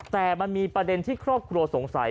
แต่มันมีประเด็นที่ครอบครัวสงสัย